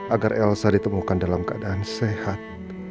agar elsa ditemukan dalam keadaan sehat